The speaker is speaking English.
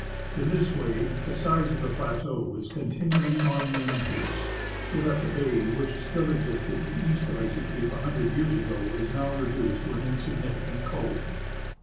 In this way the size of the plateau is continually on the increase, so that the bay which still existed to the east of Icy Cape a hundred years ago is now reduced to an insignificant cove.